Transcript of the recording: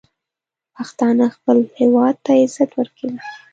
پښتانه خپل هیواد ته عزت ورکوي.